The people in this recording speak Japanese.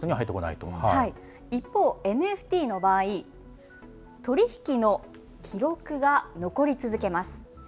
一方、ＮＦＴの場合取り引きの記録が残り続けます。